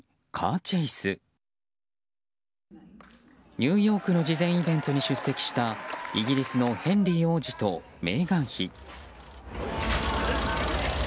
ニューヨークの慈善イベントに出席したイギリスのヘンリー王子とメーガン妃。